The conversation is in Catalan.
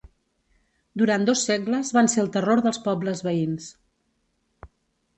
Durant dos segles van ser el terror dels pobles veïns.